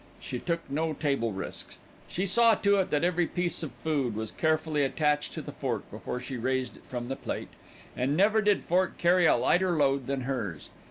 She took no table risks. She saw to it that every piece of food was carefully attached to the fork before she raised it from the plate, and never did fork carry a lighter load than hers.